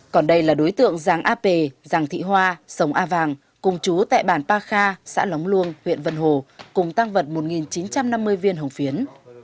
còn đây là đối tượng ràng a pê ràng thị hoa sống a vàng cùng trú tại bàn pa kha xã lóng luông huyện vân hồ cùng tăng vật một nghìn chín trăm năm mươi viên hồng phiến